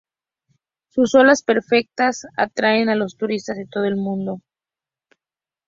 Sus olas perfectas atraen a turistas de todo el mundo.